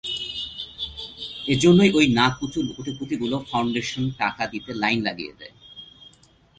এজন্যই ওই নাকউচু কোটিপতিগুলো ফাউন্ডেশনে টাকা দিতে লাইন লাগিয়ে দেয়।